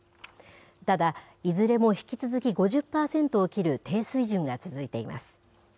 ただ、いずれも引き続き５０％を切る低水準が続いています。